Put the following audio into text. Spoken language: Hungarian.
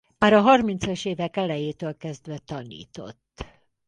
Már a harmincas évek elejétől kezdve tanított.